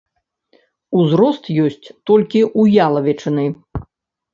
Узрост ёсць толькі ў ялавічыны.